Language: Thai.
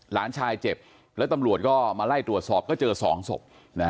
หลานชายเจ็บแล้วตำรวจก็มาไล่ตรวจสอบก็เจอ๒ศพ